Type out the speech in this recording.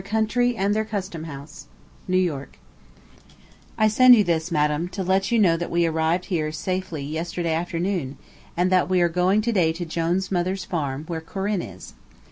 Letter Number Twenty seven NEW YORK I send you this, madam, to let you know that we arrived here safely yesterday afternoon, and that we are going to day to Jone's mother's farm where Corinne is.